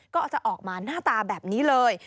ก็อาจจะออกมาหน้าตาแบบนี้เลย